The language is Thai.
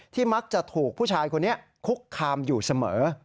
มักจะถูกผู้ชายคนนี้คุกคามอยู่เสมอ